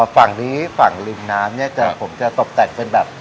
ฝั่งนี้ฝั่งริมน้ำเนี่ยผมจะตกแต่งเป็นแบบ